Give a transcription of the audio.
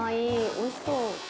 おいしそう」